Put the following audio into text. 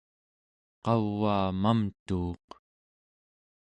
qavaa mamtuuq